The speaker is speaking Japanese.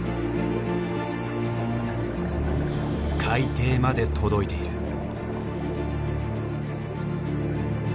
海底まで届いている。